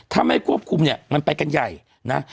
ถ้าไม่ควบคุมเนี่ยมันไปกันใหญ่นะ